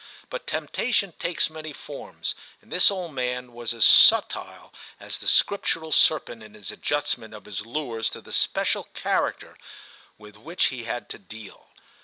But temptation takes many forms, and this old man was as subtile as the Scriptural serpent in his adjustment of his lures to the special character with which he had to deal.